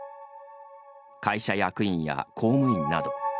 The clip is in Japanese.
会社役員や公務員など。